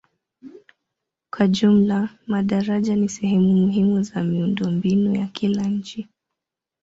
Kwa jumla madaraja ni sehemu muhimu za miundombinu ya kila nchi.